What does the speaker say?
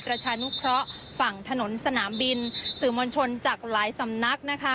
ประชานุเคราะห์ฝั่งถนนสนามบินสื่อมวลชนจากหลายสำนักนะคะ